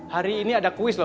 hari ini ada kuis loh